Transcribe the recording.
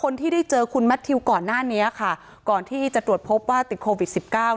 แล้ววันนี้ค่ะก่อนที่จะตรวจพบว่าติดโควิด๑๙